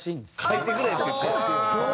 「書いてくれ」って言って？